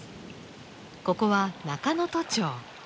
ここは中能登町。